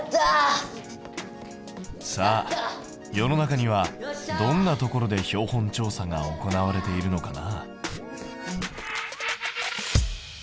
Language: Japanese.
さあ世の中にはどんなところで標本調査が行われているのかな？